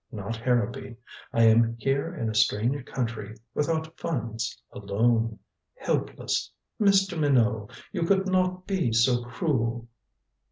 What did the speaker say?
Not Harrowby. I am here in a strange country without funds alone. Helpless. Mr. Minot. You could not be so cruel."